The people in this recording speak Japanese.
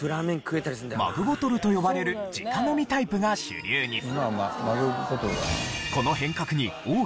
マグボトルと呼ばれる直飲みタイプが主流に。